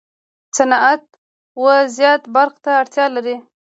صنعت و زیات برق ته اړتیا لري.